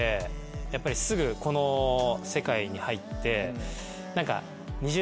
やっぱりすぐこの世界に入って何か。